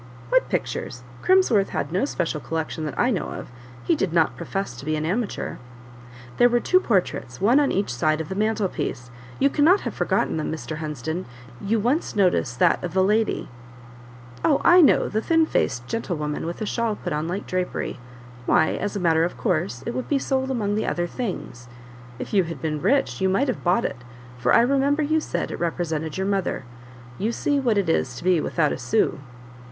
"What pictures? Crimsworth had no special collection that I know of he did not profess to be an amateur." "There were two portraits, one on each side the mantelpiece; you cannot have forgotten them, Mr. Hunsden; you once noticed that of the lady " "Oh, I know! the thin faced gentlewoman with a shawl put on like drapery. Why, as a matter of course, it would be sold among the other things. If you had been rich, you might have bought it, for I remember you said it represented your mother: you see what it is to be without a sou."